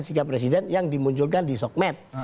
sikap presiden yang dimunculkan di sogmed